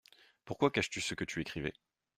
Pourquoi caches-tu ce que tu écrivais ?